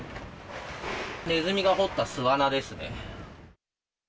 ネズミが掘った巣穴ですね。